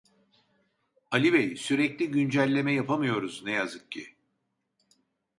Ali bey sürekli güncelleme yapamıyoruz ne yazık ki